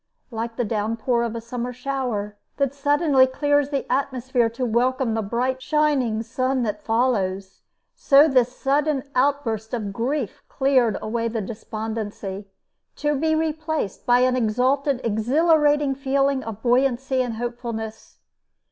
Like the downpour of a summer shower that suddenly clears the atmosphere to welcome the bright shining sun that follows, so this sudden outburst of grief cleared away the despondency, to be replaced by an exalted, exhilarating feeling of buoyancy and hopefulness.